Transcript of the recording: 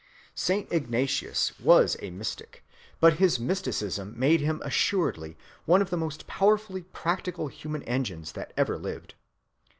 Saint Ignatius was a mystic, but his mysticism made him assuredly one of the most powerfully practical human engines that ever lived.